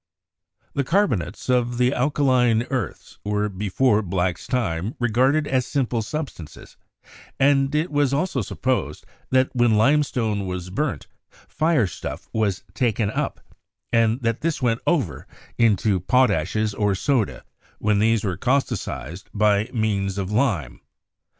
The carbonates of the alkaline earths were before Black's time regarded as simple substances; and it was also supposed that when limestone was burnt fire stuff was taken up, and that this went over into potashes or soda when these were causticized by means of lime.